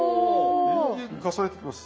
延々重ねていきます。